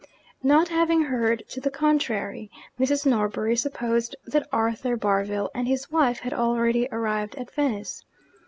Not having heard to the contrary, Mrs. Norbury supposed that Arthur Barville and his wife had already arrived at Venice.